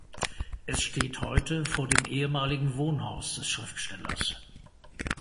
Es steht heute vor dem ehemaligen Wohnhaus des Schriftstellers.